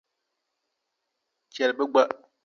Chɛli bɛ gba.